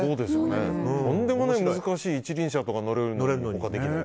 とんでもない難しい一輪車とか乗れるのに。